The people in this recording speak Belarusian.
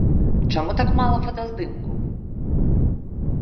Чаму так мала фотаздымкаў?